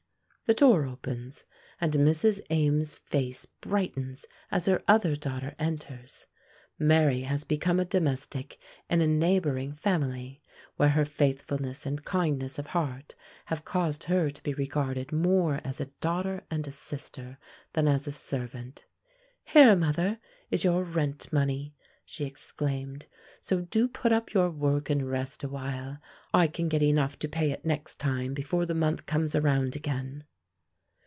the door opens, and Mrs. Ames's face brightens as her other daughter enters. Mary has become a domestic in a neighboring family, where her faithfulness and kindness of heart have caused her to be regarded more as a daughter and a sister than as a servant. "Here, mother, is your rent money," she exclaimed; "so do put up your work and rest a while. I can get enough to pay it next time before the month comes around again."